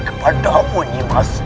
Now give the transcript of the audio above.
kepada amu nimas